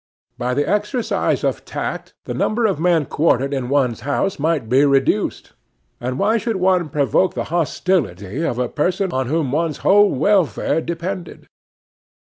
By the exercise of tact the number of men quartered in one's house might be reduced; and why should one provoke the hostility of a person on whom one's whole welfare depended?